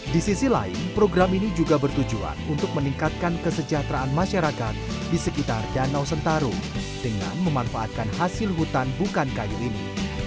di sisi lain program ini juga bertujuan untuk meningkatkan kesejahteraan masyarakat di sekitar danau sentarung dengan memanfaatkan hasil hutan bukan kayu ini